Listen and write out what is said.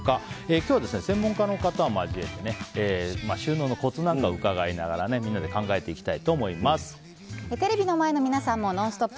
今日は専門家の方を交えて収納のコツを伺いながらみんなでテレビの前の皆さんもＮＯＮＳＴＯＰ！